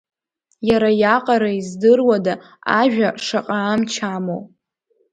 Иара иаҟара издыруада, ажәа шаҟа амч амоу.